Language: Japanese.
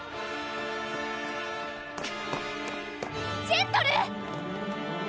ジェントルー！